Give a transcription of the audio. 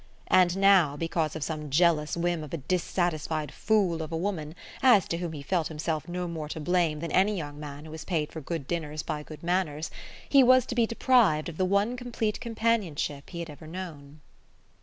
And now, because of some jealous whim of a dissatisfied fool of a woman, as to whom he felt himself no more to blame than any young man who has paid for good dinners by good manners, he was to be deprived of the one complete companionship he had ever known....